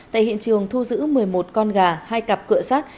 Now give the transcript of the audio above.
tại hiện trường thu giữ một mươi một con gà hai cặp cửa sát